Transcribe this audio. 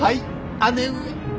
姉上！